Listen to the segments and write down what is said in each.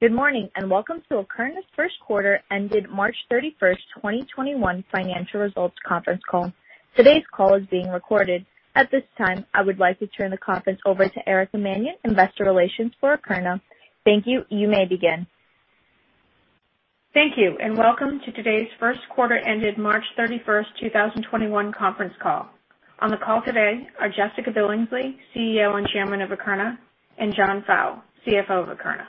Good morning, and welcome to Akerna's first quarter ended March 31st, 2021 financial results conference call. Today's call is being recorded. At this time, I would like to turn the conference over to Erica Mannion, investor relations for Akerna. Thank you. You may begin. Thank you, and welcome to today's first quarter ended March 31st, 2021 conference call. On the call today are Jessica Billingsley, CEO and Chairman of Akerna, and John Faugh, CFO of Akerna.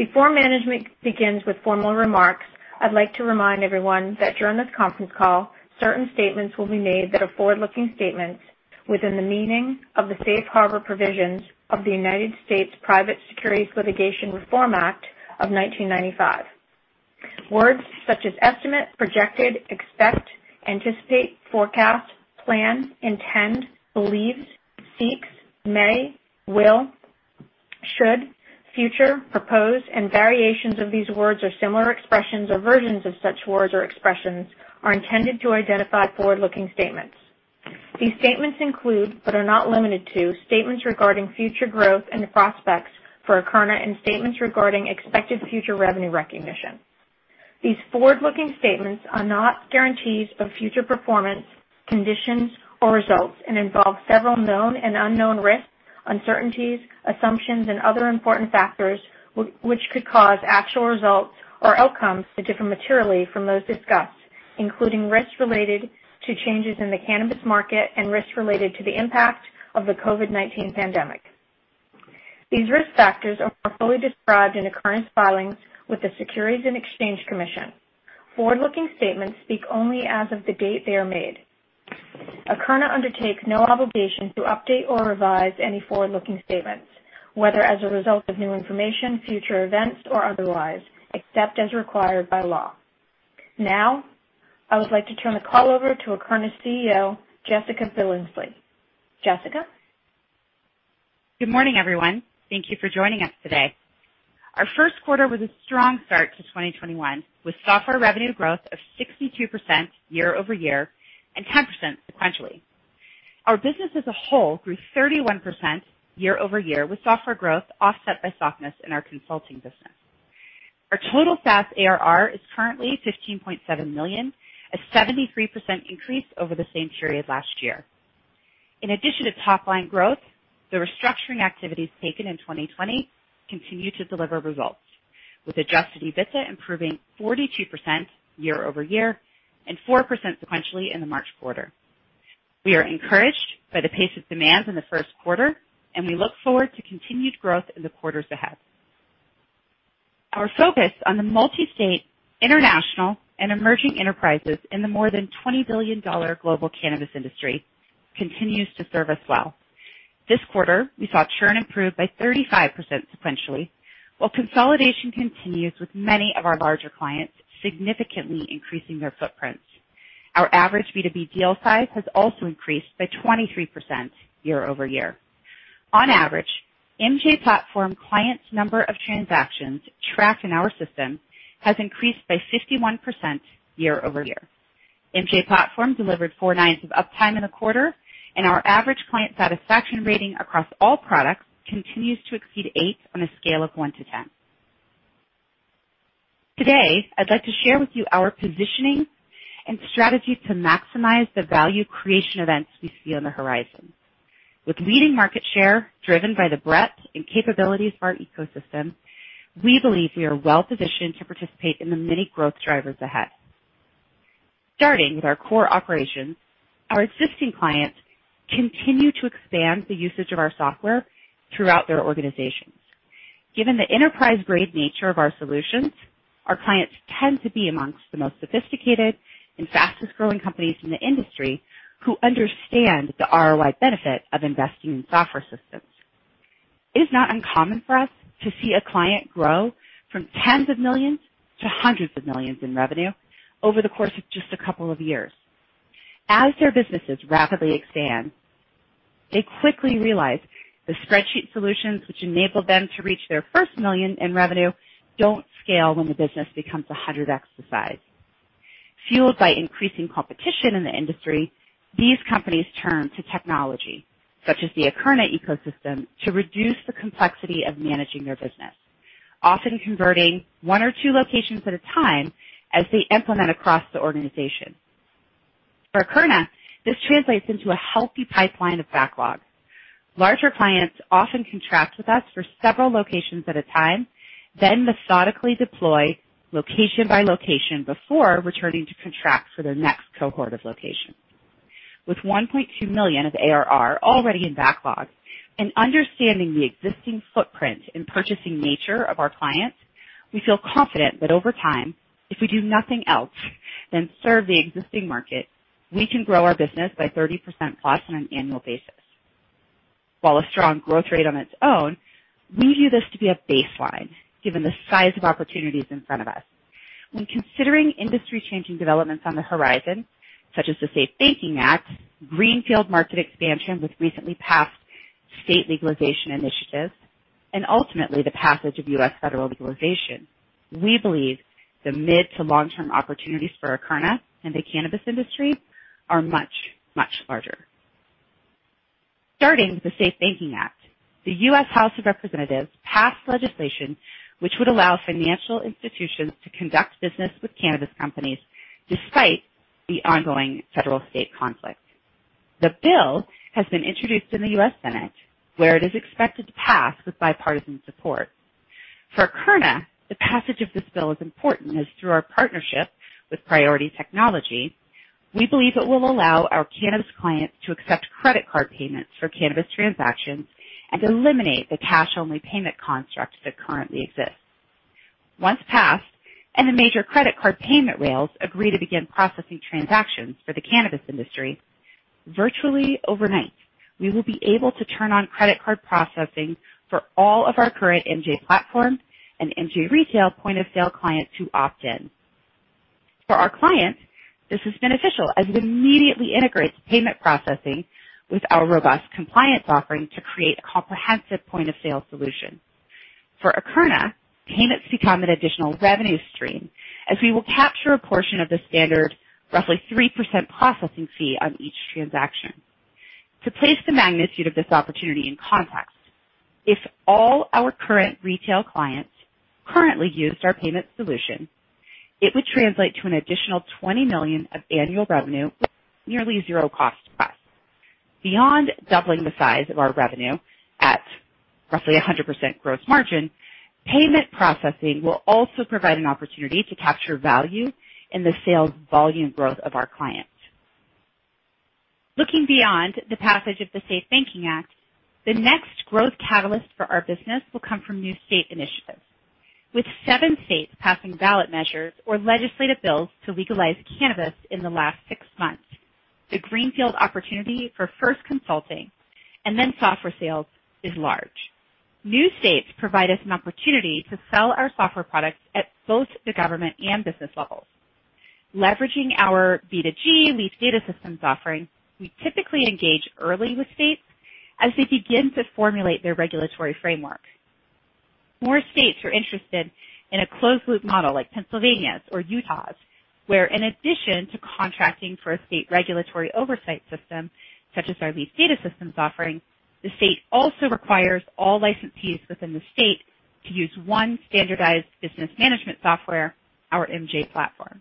Before management begins with formal remarks, I'd like to remind everyone that during this conference call, certain statements will be made that are forward-looking statements within the meaning of the Safe Harbor provisions of the United States Private Securities Litigation Reform Act of 1995. Words such as estimate, projected, expect, anticipate, forecast, plan, intend, believes, seeks, may, will, should, future, propose, and variations of these words or similar expressions, or versions of such words or expressions are intended to identify forward-looking statements. These statements include, but are not limited to, statements regarding future growth and prospects for Akerna and statements regarding expected future revenue recognition. These forward-looking statements are not guarantees of future performance, conditions, or results, and involve several known and unknown risks, uncertainties, assumptions, and other important factors, which could cause actual results or outcomes to differ materially from those discussed, including risks related to changes in the cannabis market and risks related to the impact of the COVID-19 pandemic. These risk factors are fully described in Akerna's filings with the Securities and Exchange Commission. Forward-looking statements speak only as of the date they are made. Akerna undertakes no obligation to update or revise any forward-looking statements, whether as a result of new information, future events, or otherwise, except as required by law. Now, I would like to turn the call over to Akerna's CEO, Jessica Billingsley. Jessica? Good morning, everyone. Thank you for joining us today. Our first quarter was a strong start to 2021, with software revenue growth of 62% year-over-year and 10% sequentially. Our business as a whole grew 31% year-over-year, with software growth offset by softness in our consulting business. Our total SaaS ARR is currently $15.7 million, a 73% increase over the same period last year. In addition to top-line growth, the restructuring activities taken in 2020 continue to deliver results, with adjusted EBITDA improving 42% year-over-year and 4% sequentially in the March quarter. We are encouraged by the pace of demands in the first quarter, and we look forward to continued growth in the quarters ahead. Our focus on the multi-state, international, and emerging enterprises in the more than $20 billion global cannabis industry continues to serve us well. This quarter, we saw churn improve by 35% sequentially, while consolidation continues with many of our larger clients significantly increasing their footprints. Our average B2B deal size has also increased by 23% year-over-year. On average, MJ Platform clients' number of transactions tracked in our system has increased by 51% year-over-year. MJ Platform delivered four nines of uptime in the quarter, and our average client satisfaction rating across all products continues to exceed eight on a scale of one to 10. Today, I'd like to share with you our positioning and strategy to maximize the value creation events we see on the horizon. With leading market share driven by the breadth and capabilities of our ecosystem, we believe we are well-positioned to participate in the many growth drivers ahead. Starting with our core operations, our existing clients continue to expand the usage of our software throughout their organizations. Given the enterprise-grade nature of our solutions, our clients tend to be amongst the most sophisticated and fastest-growing companies in the industry who understand the ROI benefit of investing in software systems. It is not uncommon for us to see a client grow from tens of millions to hundreds of millions in revenue over the course of just a couple of years. As their businesses rapidly expand, they quickly realize the spreadsheet solutions which enabled them to reach their first million in revenue don't scale when the business becomes 100x the size. Fueled by increasing competition in the industry, these companies turn to technology, such as the Akerna ecosystem, to reduce the complexity of managing their business, often converting one or two locations at a time as they implement across the organization. For Akerna, this translates into a healthy pipeline of backlogs. Larger clients often contract with us for several locations at a time, then methodically deploy location by location before returning to contract for their next cohort of locations. With $1.2 million of ARR already in backlog and understanding the existing footprint and purchasing nature of our clients, we feel confident that over time, if we do nothing else than serve the existing market, we can grow our business by 30%+ on an annual basis. While a strong growth rate on its own, we view this to be a baseline given the size of opportunities in front of us. When considering industry-changing developments on the horizon, such as the SAFE Banking Act, greenfield market expansion with recently passed state legalization initiatives, and ultimately the passage of U.S. federal legalization, we believe the mid to long-term opportunities for Akerna and the cannabis industry are much, much larger. Starting with the SAFE Banking Act, the U.S. House of Representatives passed legislation which would allow financial institutions to conduct business with cannabis companies despite the ongoing federal state conflict. The bill has been introduced in the U.S. Senate, where it is expected to pass with bipartisan support. For Akerna, the passage of this bill is important as through our partnership with Priority Technologies, we believe it will allow our cannabis clients to accept credit card payments for cannabis transactions and eliminate the cash-only payment construct that currently exists. Once passed, the major credit card payment rails agree to begin processing transactions for the cannabis industry, virtually overnight, we will be able to turn on credit card processing for all of our current MJ Platform clients and MJ Retail point-of-sale clients who opt in. For our clients, this is beneficial as it immediately integrates payment processing with our robust compliance offering to create a comprehensive point-of-sale solution. For Akerna, payments become an additional revenue stream as we will capture a portion of the standard, roughly 3% processing fee on each transaction. To place the magnitude of this opportunity in context, if all our current retail clients currently used our payment solution, it would translate to an additional $20 million of annual revenue with nearly zero cost to us. Beyond doubling the size of our revenue at roughly 100% gross margin, payment processing will also provide an opportunity to capture value in the sales volume growth of our clients. Looking beyond the passage of the SAFE Banking Act, the next growth catalyst for our business will come from new state initiatives. With seven states passing ballot measures or legislative bills to legalize cannabis in the last six months, the greenfield opportunity for first consulting and then software sales is large. New states provide us an opportunity to sell our software products at both the government and business levels. Leveraging our B2G Leaf Data Systems offering, we typically engage early with states as they begin to formulate their regulatory framework. More states are interested in a closed-loop model like Pennsylvania's or Utah's, where in addition to contracting for a state regulatory oversight system, such as our Leaf Data Systems offering, the state also requires all licensees within the state to use one standardized business management software, our MJ Platform.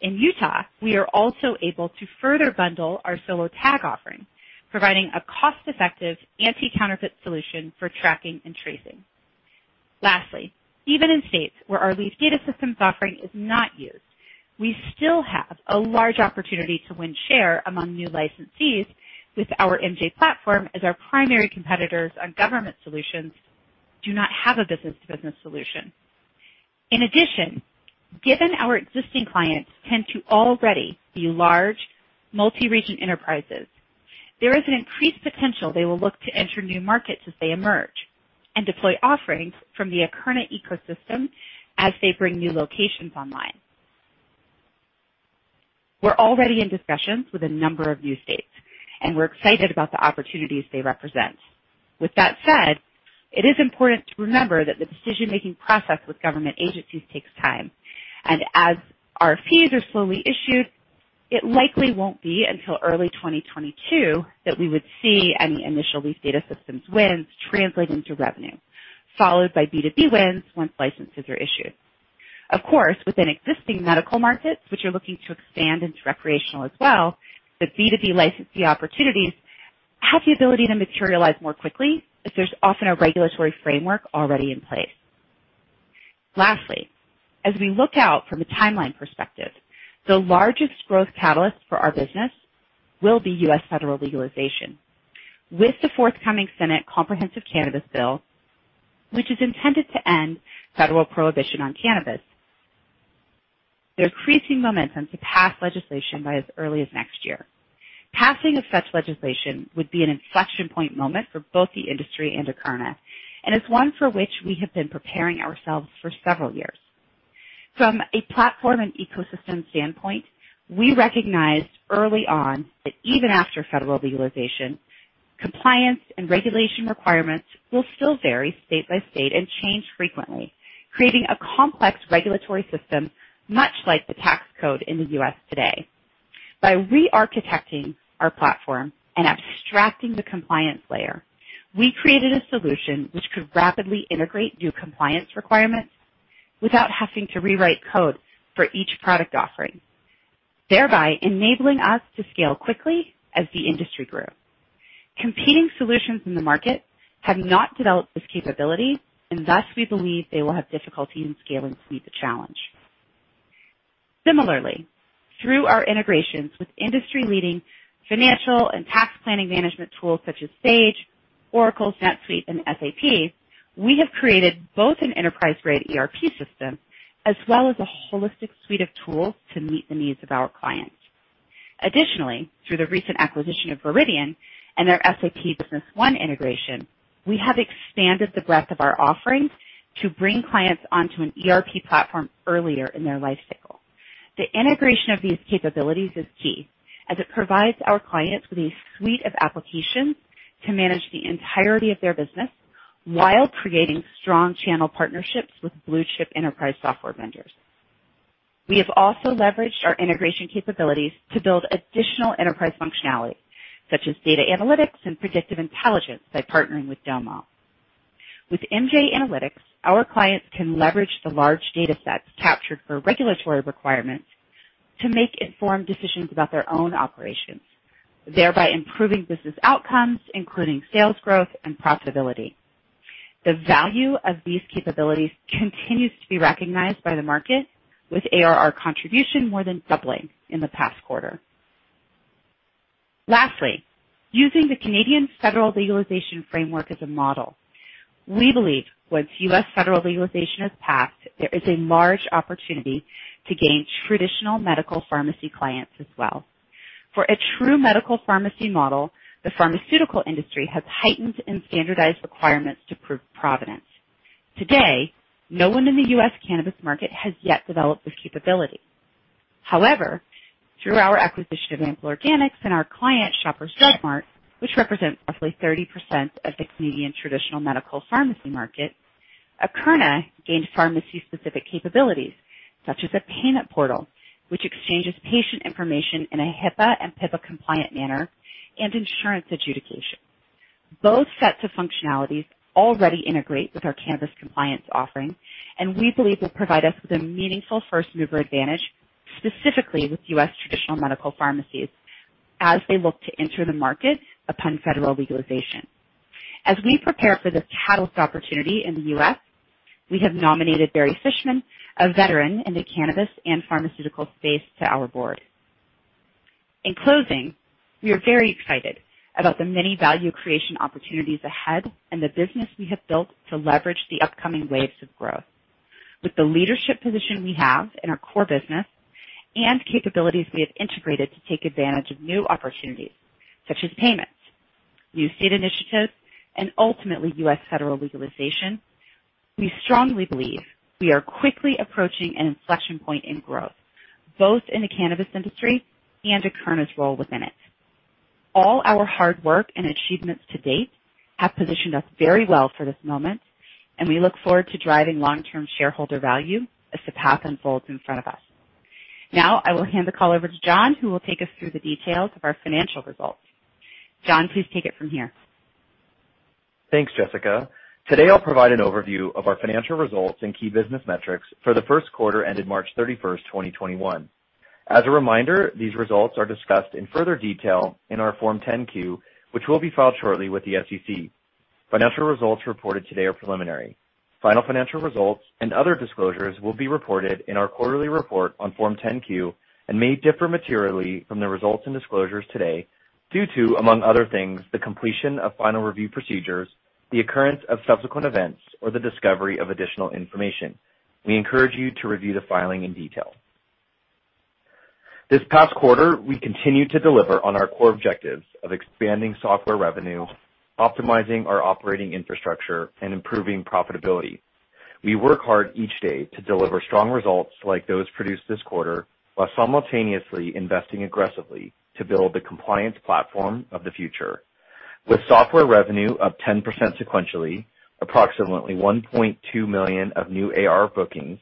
In Utah, we are also able to further bundle our solo*TAG offering, providing a cost-effective anti-counterfeit solution for tracking and tracing. Lastly, even in states where our Leaf Data Systems offering is not used, we still have a large opportunity to win share among new licensees with our MJ Platform as our primary competitors on government solutions do not have a business-to-business solution. Given our existing clients tend to already be large, multi-region enterprises, there is an increased potential they will look to enter new markets as they emerge and deploy offerings from the Akerna ecosystem as they bring new locations online. We're already in discussions with a number of new states, we're excited about the opportunities they represent. It is important to remember that the decision-making process with government agencies takes time, as RFPs are slowly issued, it likely won't be until early 2022 that we would see any initial Leaf Data Systems wins translate into revenue, followed by B2B wins once licenses are issued. Within existing medical markets, which are looking to expand into recreational as well, the B2B licensee opportunities have the ability to materialize more quickly as there's often a regulatory framework already in place. Lastly, as we look out from a timeline perspective, the largest growth catalyst for our business will be U.S. federal legalization. With the forthcoming Senate comprehensive cannabis bill, which is intended to end federal prohibition on cannabis, there's increasing momentum to pass legislation by as early as next year. Passing of such legislation would be an inflection-point moment for both the industry and Akerna, and it's one for which we have been preparing ourselves for several years. From a platform and ecosystem standpoint, we recognized early on that even after federal legalization, compliance and regulation requirements will still vary state by state and change frequently, creating a complex regulatory system, much like the tax code in the U.S. today. By re-architecting our platform and abstracting the compliance layer, we created a solution which could rapidly integrate new compliance requirements without having to rewrite code for each product offering, thereby enabling us to scale quickly as the industry grew. Competing solutions in the market have not developed this capability, and thus we believe they will have difficulty in scaling to meet the challenge. Similarly, through our integrations with industry-leading financial and tax planning management tools such as Sage, Oracle, NetSuite and SAP, we have created both an enterprise-grade ERP system as well as a holistic suite of tools to meet the needs of our clients. Additionally, through the recent acquisition of Viridian and their SAP Business One integration, we have expanded the breadth of our offerings to bring clients onto an ERP platform earlier in their life cycle. The integration of these capabilities is key as it provides our clients with a suite of applications to manage the entirety of their business while creating strong channel partnerships with blue-chip enterprise software vendors. We have also leveraged our integration capabilities to build additional enterprise functionality, such as data analytics and predictive intelligence by partnering with Domo. With MJ Analytics, our clients can leverage the large data sets captured for regulatory requirements to make informed decisions about their own operations, thereby improving business outcomes, including sales growth and profitability. The value of these capabilities continues to be recognized by the market, with ARR contribution more than doubling in the past quarter. Lastly, using the Canadian federal legalization framework as a model, we believe once U.S. federal legalization is passed, there is a large opportunity to gain traditional medical pharmacy clients as well. For a true medical pharmacy model, the pharmaceutical industry has heightened and standardized requirements to prove provenance. Today, no one in the U.S. cannabis market has yet developed this capability. Through our acquisition of Ample Organics and our client, Shoppers Drug Mart, which represents roughly 30% of the Canadian traditional medical pharmacy market, Akerna gained pharmacy-specific capabilities such as a payment portal, which exchanges patient information in a HIPAA and PIPEDA-compliant manner, and insurance adjudication. Both sets of functionalities already integrate with our cannabis compliance offering, and we believe will provide us with a meaningful first-mover advantage, specifically with U.S. traditional medical pharmacies as they look to enter the market upon federal legalization. As we prepare for this catalyst opportunity in the U.S., we have nominated Barry Fishman, a veteran in the cannabis and pharmaceutical space, to our board. In closing, we are very excited about the many value creation opportunities ahead and the business we have built to leverage the upcoming waves of growth. With the leadership position we have in our core business and capabilities we have integrated to take advantage of new opportunities, such as payments, new state initiatives, and ultimately U.S. federal legalization, we strongly believe we are quickly approaching an inflection point in growth, both in the cannabis industry and Akerna's role within it. All our hard work and achievements to date have positioned us very well for this moment, and we look forward to driving long-term shareholder value as the path unfolds in front of us. Now, I will hand the call over to John, who will take us through the details of our financial results. John, please take it from here. Thanks, Jessica. Today, I'll provide an overview of our financial results and key business metrics for the first quarter ended March 31, 2021. As a reminder, these results are discussed in further detail in our Form 10-Q, which will be filed shortly with the SEC. Financial results reported today are preliminary. Final financial results and other disclosures will be reported in our quarterly report on Form 10-Q and may differ materially from the results and disclosures today due to, among other things, the completion of final review procedures, the occurrence of subsequent events, or the discovery of additional information. We encourage you to review the filing in detail. This past quarter, we continued to deliver on our core objectives of expanding software revenue, optimizing our operating infrastructure, and improving profitability. We work hard each day to deliver strong results like those produced this quarter while simultaneously investing aggressively to build the compliance platform of the future. With software revenue up 10% sequentially, approximately $1.2 million of new ARR bookings,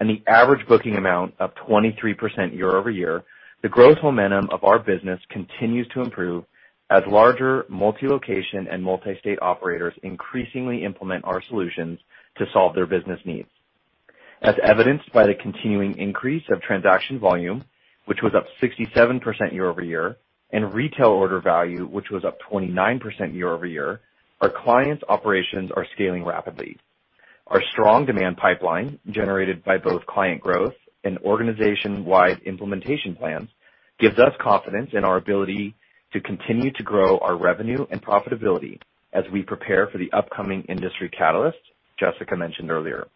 and the average booking amount up 23% year-over-year, the growth momentum of our business continues to improve as larger multi-location and multi-state operators increasingly implement our solutions to solve their business needs. As evidenced by the continuing increase of transaction volume, which was up 67% year-over-year, and retail order value, which was up 29% year-over-year, our clients' operations are scaling rapidly. Our strong demand pipeline, generated by both client growth and organization-wide implementation plans, gives us confidence in our ability to continue to grow our revenue and profitability as we prepare for the upcoming industry catalysts Jessica mentioned earlier.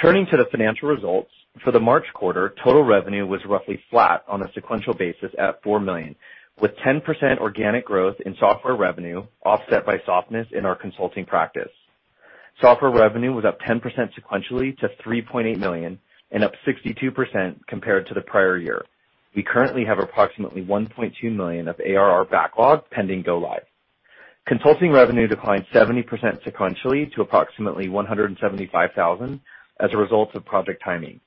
Turning to the financial results, for the March quarter, total revenue was roughly flat on a sequential basis at $4 million, with 10% organic growth in software revenue offset by softness in our consulting practice. Software revenue was up 10% sequentially to $3.8 million and up 62% compared to the prior year. We currently have approximately $1.2 million of ARR backlog pending go live. Consulting revenue declined 70% sequentially to approximately $175,000 as a result of project timing.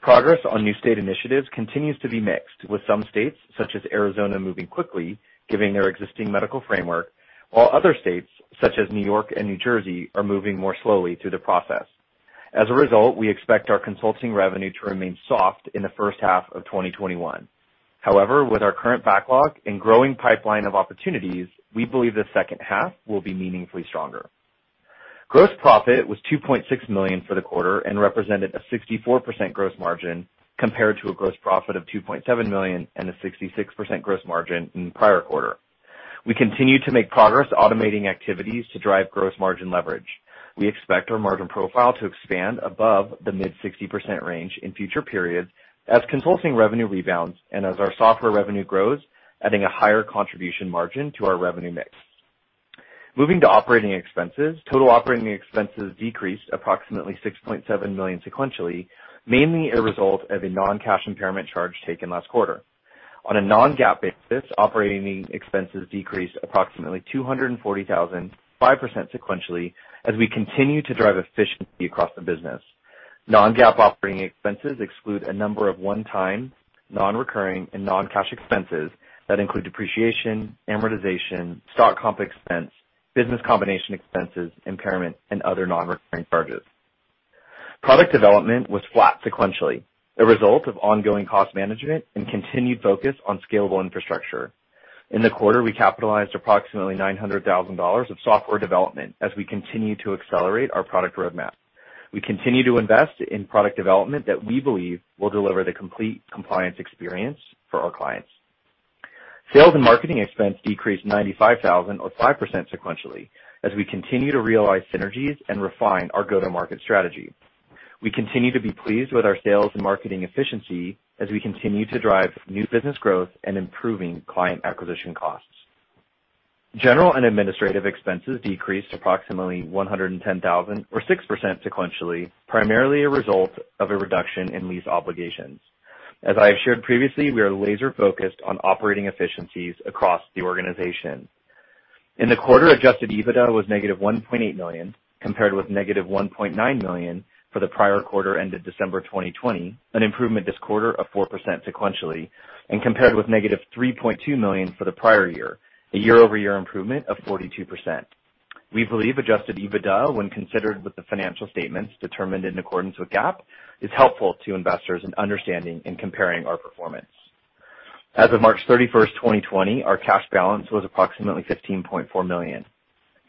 Progress on new state initiatives continues to be mixed, with some states, such as Arizona, moving quickly, giving their existing medical framework, while other states, such as New York and New Jersey, are moving more slowly through the process. As a result, we expect our consulting revenue to remain soft in the first half of 2021. However, with our current backlog and growing pipeline of opportunities, we believe the second half will be meaningfully stronger. Gross profit was $2.6 million for the quarter and represented a 64% gross margin compared to a gross profit of $2.7 million and a 66% gross margin in the prior quarter. We continue to make progress automating activities to drive gross margin leverage. We expect our margin profile to expand above the mid-60% range in future periods as consulting revenue rebounds and as our software revenue grows, adding a higher contribution margin to our revenue mix. Moving to operating expenses, total operating expenses decreased approximately $6.7 million sequentially, mainly a result of a non-cash impairment charge taken last quarter. On a non-GAAP basis, operating expenses decreased approximately $240,000, 5% sequentially, as we continue to drive efficiency across the business. Non-GAAP operating expenses exclude a number of one-time, non-recurring, and non-cash expenses that include depreciation, amortization, stock comp expense, business combination expenses, impairment, and other non-recurring charges. Product development was flat sequentially, a result of ongoing cost management and continued focus on scalable infrastructure. In the quarter, we capitalized approximately $900,000 of software development as we continue to accelerate our product roadmap. We continue to invest in product development that we believe will deliver the complete compliance experience for our clients. Sales and marketing expense decreased $95,000 or 5% sequentially, as we continue to realize synergies and refine our go-to-market strategy. We continue to be pleased with our sales and marketing efficiency as we continue to drive new business growth and improving client acquisition costs. General and administrative expenses decreased approximately $110,000 or 6% sequentially, primarily a result of a reduction in lease obligations. As I have shared previously, we are laser-focused on operating efficiencies across the organization. In the quarter, adjusted EBITDA was -$1.8 million, compared with -$1.9 million for the prior quarter ended December 2020, an improvement this quarter of 4% sequentially, and compared with -$3.2 million for the prior year, a year-over-year improvement of 42%. We believe adjusted EBITDA, when considered with the financial statements determined in accordance with GAAP, is helpful to investors in understanding and comparing our performance. As of March 31st, 2020, our cash balance was approximately $15.4 million.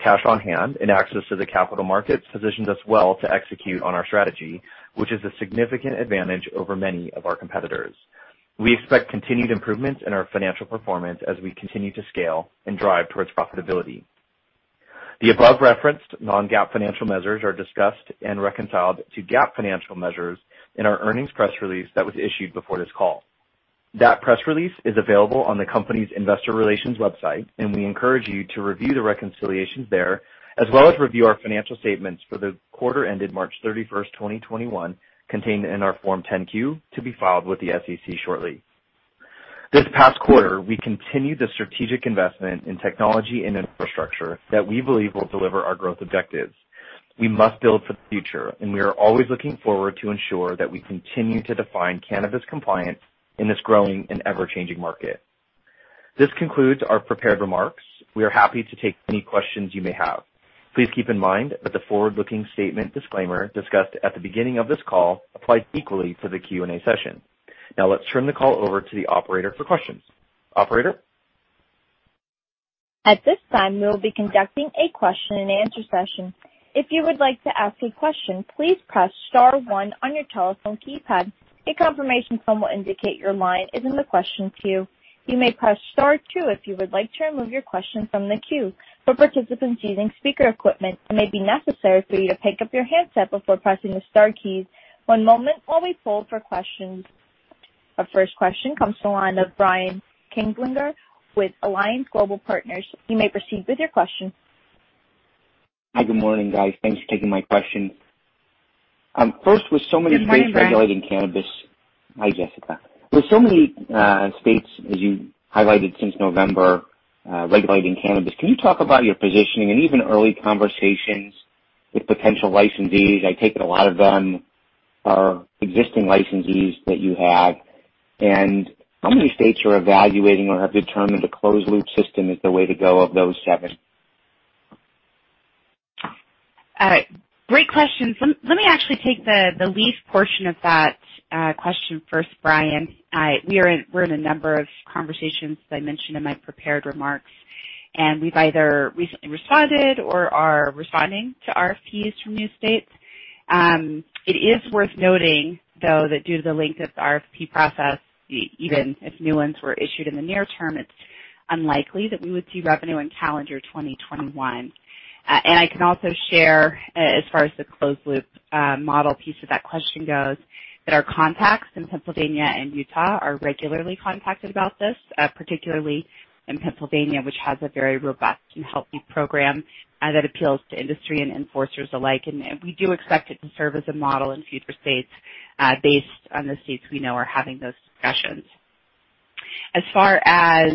Cash on hand and access to the capital markets positions us well to execute on our strategy, which is a significant advantage over many of our competitors. We expect continued improvements in our financial performance as we continue to scale and drive towards profitability. The above-referenced non-GAAP financial measures are discussed and reconciled to GAAP financial measures in our earnings press release that was issued before this call. That press release is available on the company's investor relations website, and we encourage you to review the reconciliations there, as well as review our financial statements for the quarter ended March 31st, 2021, contained in our Form 10-Q to be filed with the SEC shortly. This past quarter, we continued the strategic investment in technology and infrastructure that we believe will deliver our growth objectives. We must build for the future, and we are always looking forward to ensure that we continue to define cannabis compliance in this growing and ever-changing market. This concludes our prepared remarks. We are happy to take any questions you may have. Please keep in mind that the forward-looking statement disclaimer discussed at the beginning of this call applies equally to the Q&A session. Now let's turn the call over to the operator for questions. Operator? Our first question comes to the line of Brian Kinstlinger with Alliance Global Partners. You may proceed with your question. Hi. Good morning, guys. Thanks for taking my question. Good morning, Brian states regulating cannabis. Hi, Jessica. With so many states, as you highlighted since November, regulating cannabis, can you talk about your positioning and even early conversations with potential licensees? I take it a lot of them are existing licensees that you have. How many states are evaluating, or have determined a closed-loop system is the way to go of those seven? Great question. Let me actually take the Leaf portion of that question first, Brian. We're in a number of conversations, as I mentioned in my prepared remarks, and we've either recently responded or are responding to RFPs from new states. It is worth noting, though, that due to the length of the RFP process, even if new ones were issued in the near term, it's unlikely that we would see revenue in calendar 2021. I can also share, as far as the closed-loop model piece of that question goes, that our contacts in Pennsylvania and Utah are regularly contacted about this, particularly in Pennsylvania, which has a very robust and healthy program that appeals to industry and enforcers alike. We do expect it to serve as a model in future states, based on the states we know are having those discussions. As far as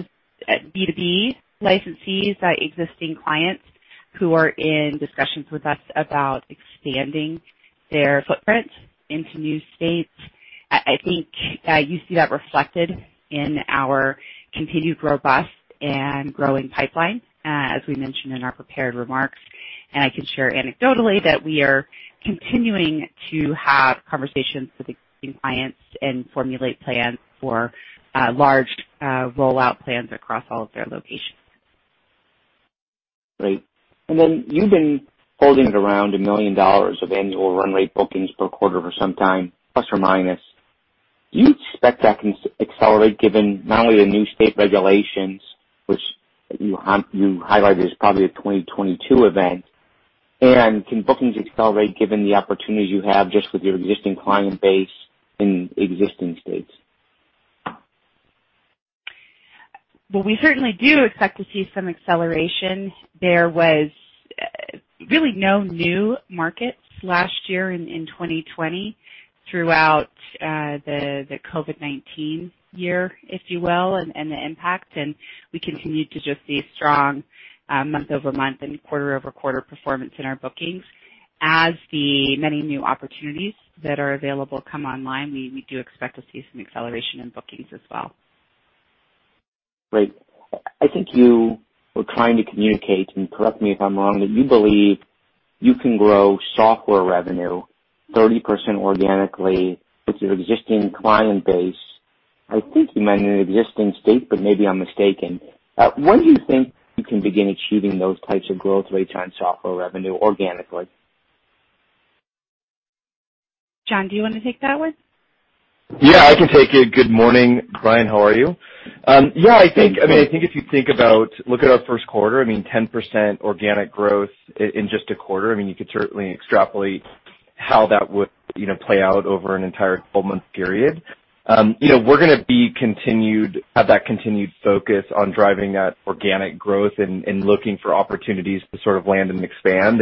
B2B licensees, existing clients who are in discussions with us about expanding their footprint into new states, I think, you see that reflected in our continued robust and growing pipeline, as we mentioned in our prepared remarks. I can share anecdotally that we are continuing to have conversations with existing clients and formulate plans for large rollout plans across all of their locations. Great. You've been holding at around $1 million of annual run rate bookings per quarter for some time, plus or minus. Do you expect that can accelerate given not only the new state regulations, which you highlighted as probably a 2022 event, and can bookings accelerate given the opportunities you have just with your existing client base in existing states? Well, we certainly do expect to see some acceleration. Really no new markets last year in 2020 throughout the COVID-19 year, if you will, and the impact. We continued to just see strong month-over-month and quarter-over-quarter performance in our bookings. As the many new opportunities that are available come online, we do expect to see some acceleration in bookings as well. Great. I think you were trying to communicate, and correct me if I'm wrong, that you believe you can grow software revenue 30% organically with your existing client base. I think you mentioned an existing state, but maybe I'm mistaken. When do you think you can begin achieving those types of growth rates on software revenue organically? John, do you want to take that one? Yeah, I can take it. Good morning, Brian. How are you? Yeah. I think if you look at our first quarter, 10% organic growth in just a quarter, you could certainly extrapolate how that would play out over an entire full-month period. We're going to have that continued focus on driving that organic growth and looking for opportunities to sort of land and expand.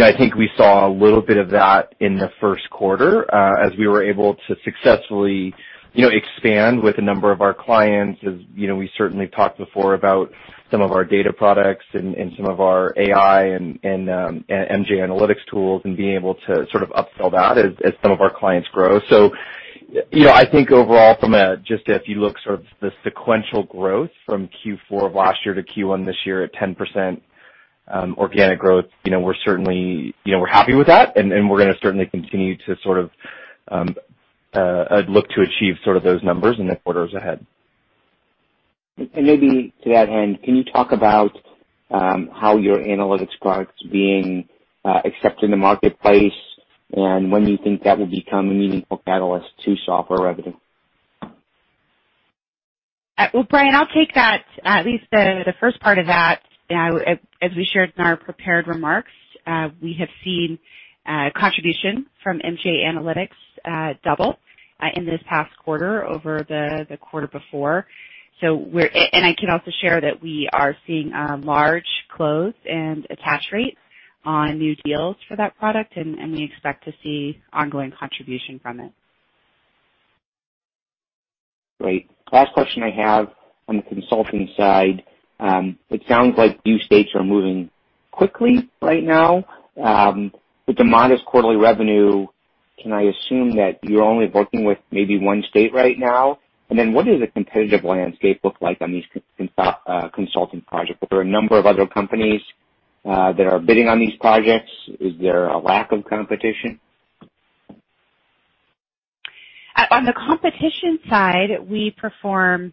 I think we saw a little bit of that in the first quarter, as we were able to successfully expand with a number of our clients. We certainly talked before about some of our data products and some of our AI and MJ Analytics tools and being able to sort of upsell that as some of our clients grow. I think overall just if you look sort of the sequential growth from Q4 of last year to Q1 this year at 10% organic growth, we're happy with that, and we're going to certainly continue to sort of look to achieve those numbers in the quarters ahead. Maybe to that end, can you talk about how your analytics product's being accepted in the marketplace and when you think that will become a meaningful catalyst to software revenue? Well, Brian, I'll take that, at least the first part of that. As we shared in our prepared remarks, we have seen contribution from MJ Analytics double in this past quarter over the quarter before. I can also share that we are seeing large close and attach rates on new deals for that product, and we expect to see ongoing contribution from it. Great. Last question I have on the consulting side. It sounds like new states are moving quickly right now. With the modest quarterly revenue, can I assume that you're only working with maybe one state right now? What does the competitive landscape look like on these consulting projects? Are there a number of other companies that are bidding on these projects? Is there a lack of competition? On the competition side, we perform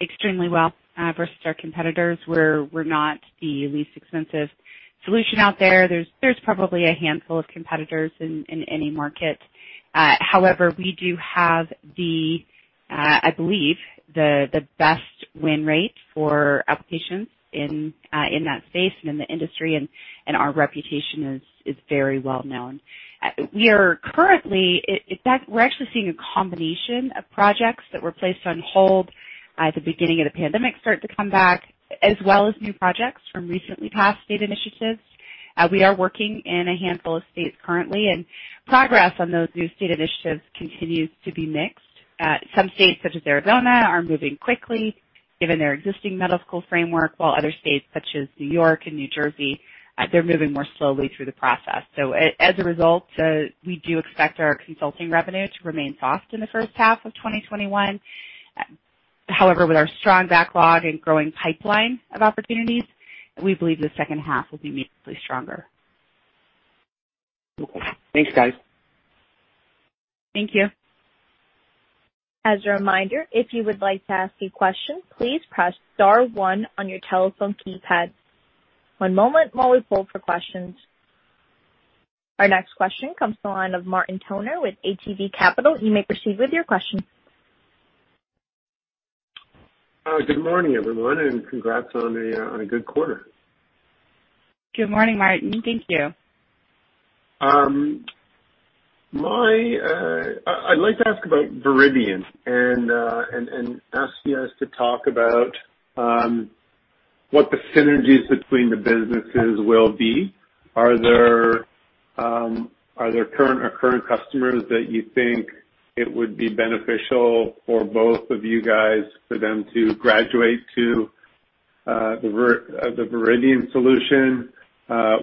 extremely well versus our competitors. We're not the least expensive solution out there. There's probably a handful of competitors in any market. However, we do have, I believe, the best win rate for applications in that space and in the industry, and our reputation is very well-known. We're actually seeing a combination of projects that were placed on hold at the beginning of the pandemic start to come back, as well as new projects from recently passed state initiatives. We are working in a handful of states currently. Progress on those new state initiatives continues to be mixed. Some states, such as Arizona, are moving quickly given their existing medical framework, while other states, such as New York and New Jersey, they're moving more slowly through the process. As a result, we do expect our consulting revenue to remain soft in the first half of 2021. However, with our strong backlog and growing pipeline of opportunities, we believe the second half will be meaningfully stronger. Okay. Thanks, guys. Thank you. As a reminder, if you would like to ask a question, please press star one on your telephone keypad. One moment while we poll for questions. Our next question comes to the line of Martin Toner with ATB Capital Markets. You may proceed with your question. Good morning, everyone, and congrats on a good quarter. Good morning, Martin. Thank you. I'd like to ask about Viridian and ask you guys to talk about what the synergies between the businesses will be. Are there current customers that you think it would be beneficial for both of you guys for them to graduate to the Viridian solution?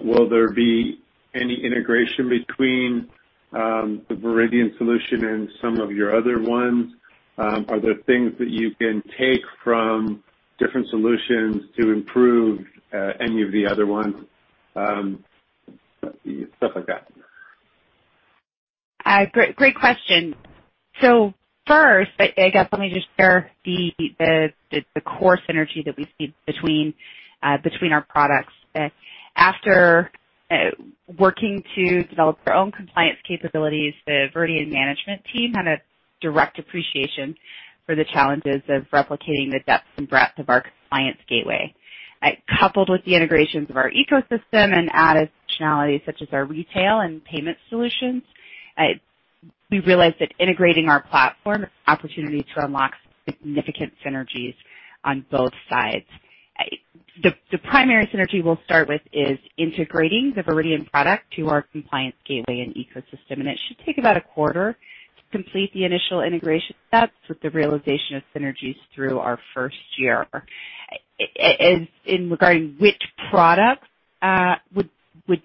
Will there be any integration between the Viridian solution and some of your other ones? Are there things that you can take from different solutions to improve any of the other ones? Stuff like that. Great question. First, I guess let me just share the core synergy that we see between our products. After working to develop their own compliance capabilities, the Viridian management team had a direct appreciation for the challenges of replicating the depth and breadth of our Compliance Gateway. Coupled with the integrations of our ecosystem and added functionality such as our retail and payment solutions, We realized that integrating our platform is an opportunity to unlock significant synergies on both sides. The primary synergy we'll start with is integrating the Viridian product to our Compliance Gateway and ecosystem, and it should take about a quarter to complete the initial integration. That's with the realization of synergies through our first year. In regarding which products would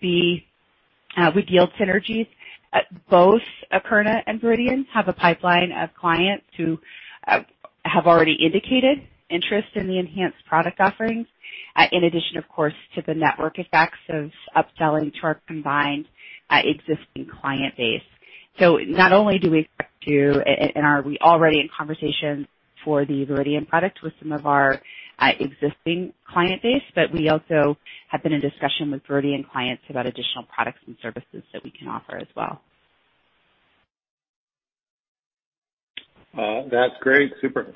yield synergies, both Akerna and Viridian have a pipeline of clients who have already indicated interest in the enhanced product offerings, in addition, of course, to the network effects of upselling to our combined existing client base. Not only do we expect to, and are we already in conversations for the Viridian product with some of our existing client base, but we also have been in discussion with Viridian clients about additional products and services that we can offer as well. That's great. Super.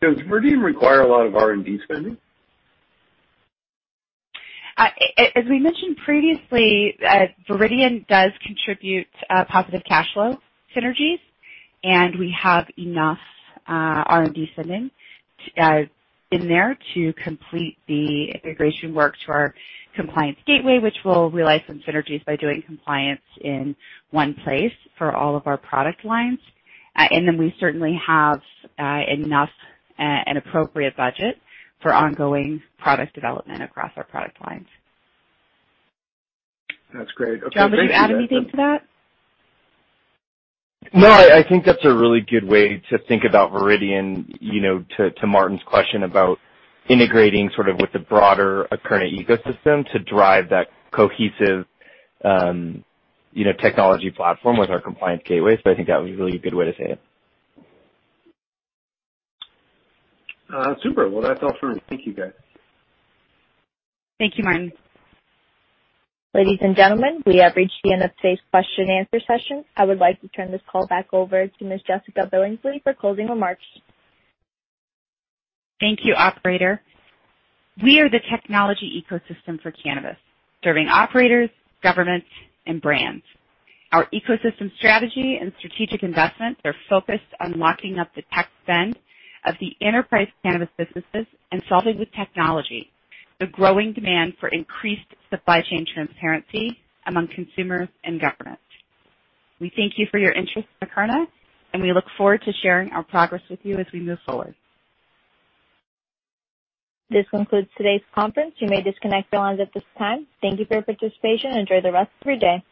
Does Viridian require a lot of R&D spending? As we mentioned previously, Viridian does contribute positive cash flow synergies, and we have enough R&D spending in there to complete the integration work to our Compliance Gateway, which will realize some synergies by doing compliance in one place for all of our product lines. We certainly have enough and appropriate budget for ongoing product development across our product lines. That's great. Okay. John, would you add anything to that? No, I think that's a really good way to think about Viridian, to Martin's question about integrating with the broader Akerna ecosystem to drive that cohesive technology platform with our Compliance Gateway. I think that was a really good way to say it. Super. Well, that's all for me. Thank you, guys. Thank you, Martin. Ladies and gentlemen, we have reached the end of today's question and answer session. I would like to turn this call back over to Ms. Jessica Billingsley for closing remarks. Thank you, operator. We are the technology ecosystem for cannabis, serving operators, governments, and brands. Our ecosystem strategy and strategic investments are focused on locking up the tech spend of the enterprise cannabis businesses and solving with technology the growing demand for increased supply chain transparency among consumers and governments. We thank you for your interest in Akerna, and we look forward to sharing our progress with you as we move forward. This concludes today's conference. You may disconnect the lines at this time. Thank you for your participation and enjoy the rest of your day.